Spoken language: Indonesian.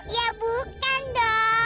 ya bukan dong